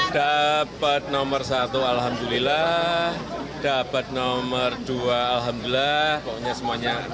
dapat nomor satu alhamdulillah dapat nomor dua alhamdulillah pokoknya semuanya